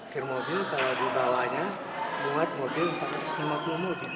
kir mobil kalau di bawahnya buat mobil empat ratus lima puluh mobil